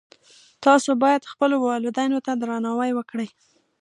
تاسو باید خپلو والدینو ته درناوی وکړئ